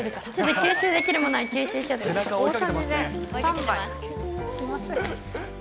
吸収できるものは吸収しようと。